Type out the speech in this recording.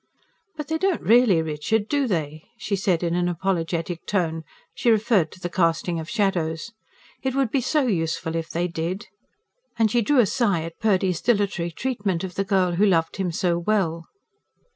"But they don't really, Richard, do they?" she said in an apologetic tone she referred to the casting of shadows. "It would be so useful if they did " and she drew a sigh at Purdy's dilatory treatment of the girl who loved him so well.